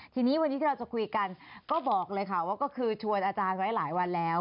ทีนี้วันนี้ที่เราจะคุยกันก็บอกเลยค่ะว่าก็คือชวนอาจารย์ไว้หลายวันแล้ว